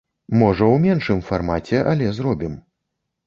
Можа, у меншым фармаце, але зробім.